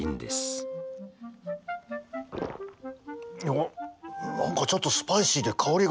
おお何かちょっとスパイシーで香りがいい！